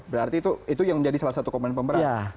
berarti itu yang menjadi salah satu komponen pemberat